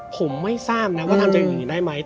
ผมไม่ทราบนะว่าทำจากอย่างอื่นได้ไหม